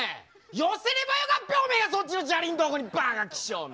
寄せればよかっぺおめえがそっちのチャリんとこにバカきしょめ。